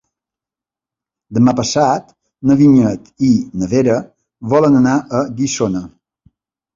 Demà passat na Vinyet i na Vera volen anar a Guissona.